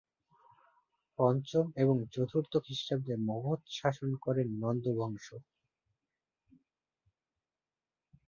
পঞ্চম এবং চতুর্থ খ্রীষ্টাব্দে মগধ শাসন করে নন্দ বংশ।